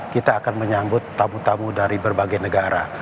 kita akan menyambut tamu tamu dari berbagai negara